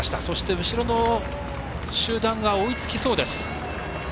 そして後ろの集団が追いつきそうです。